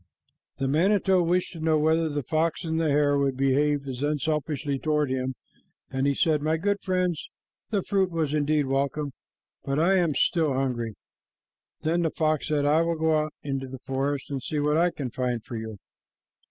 The manito wished to know whether the fox and the hare would behave as unselfishly toward him, and he said, "My good friends, the fruit was indeed welcome, but I am still hungry." Then the fox said, "I will go out into the forest and see what I can find for you."